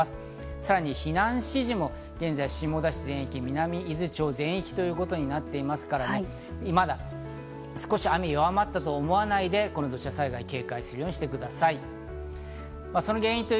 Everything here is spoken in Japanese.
さらに避難指示も現在、下田市全域、南伊豆町全域ということになっていますから、雨が少し弱まったと思わないで土砂災害に警戒するようにしてください。